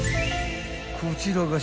［こちらが］